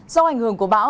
do ảnh hưởng của bão